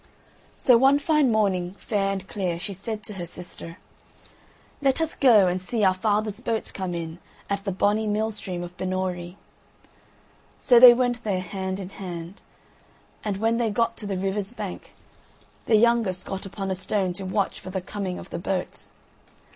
So one fine morning, fair and clear, she said to her sister, "Let us go and see our father's boats come in at the bonny mill stream of Binnorie." So they went there hand in hand. And when they got to the river's bank the youngest got upon a stone to watch for the coming of the boats.